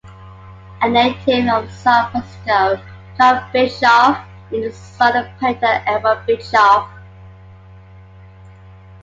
A native of San Francisco, John Bischoff is the son of painter Elmer Bischoff.